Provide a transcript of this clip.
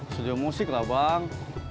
studio musik lah bang